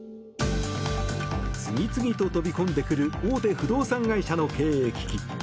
次々と飛び込んでくる大手不動産会社の経営危機。